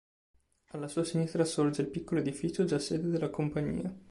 Alla sua sinistra sorge il piccolo edificio già sede della Compagnia.